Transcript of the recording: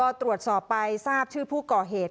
พอตรวจสอบไปทราบชื่อผู้ก่อเหตุ